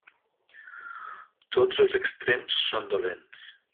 Tots els extrems són dolents.